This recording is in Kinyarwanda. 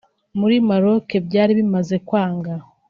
muri Maroc byari bimaze kwanga